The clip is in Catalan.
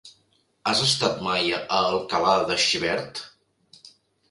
Has estat mai a Alcalà de Xivert?